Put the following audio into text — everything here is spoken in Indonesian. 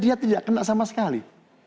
dia tidak kena sama sekali